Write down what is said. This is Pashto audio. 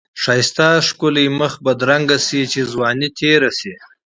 ښایسته ښکلی مخ بدرنګ شی چی ځوانی تیره شی.